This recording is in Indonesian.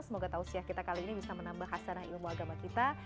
semoga tausiah kita kali ini bisa menambah hasanah ilmu agama kita